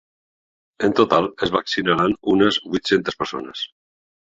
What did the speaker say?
En total, es vaccinaran unes vuit-centes persones.